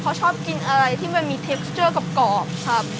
เขาชอบกินอะไรที่มันมีเทคสเจอร์กรอบครับ